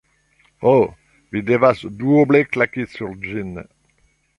Ho, vi devas duoble klaki sur ĝin.